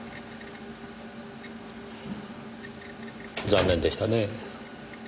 残念でしたねぇ。